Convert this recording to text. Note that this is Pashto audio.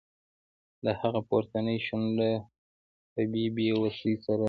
د هغه پورتنۍ شونډه په بې وسۍ سره رپیده